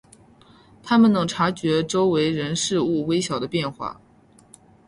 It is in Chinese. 他们能察觉周围人事物微小的变化。